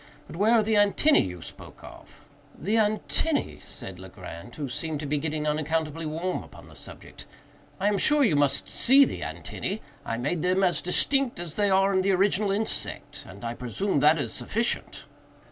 But where are the antennæ you spoke of?" "The antennæ!" said Legrand, who seemed to be getting unaccountably warm upon the subject; "I am sure you must see the antennæ. I made them as distinct as they are in the original insect, and I presume that is sufficient."